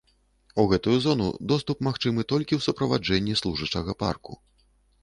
У гэтую зону доступ магчымы толькі ў суправаджэнні служачага парку.